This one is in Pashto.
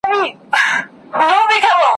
مُلا پرون مسلې کړلې د روژې د ثواب ,